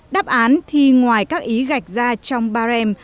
đáp án thì ngoài các ý gạch ra trong ba rem